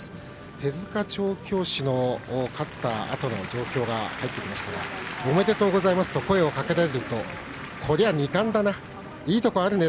手塚調教師の勝ったあとの状況が入ってきましたが「おめでとうございます」と声をかけられるとこれは二冠だな、いいとこあるね